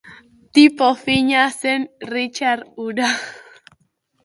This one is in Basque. Tipo fina zen Ritxar hura.